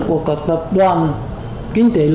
của các tập đoàn kinh tế